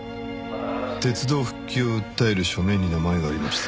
鉄道復旧を訴える署名に名前がありました。